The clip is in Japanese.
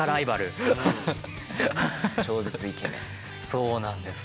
そうなんです。